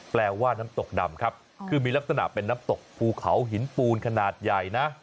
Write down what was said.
แปลว่าน้ำตกดำครับคือมีลักษณะเป็นน้ำตกภูเขาหินปูนขนาดใหญ่นะ